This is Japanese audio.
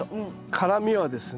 辛みはですね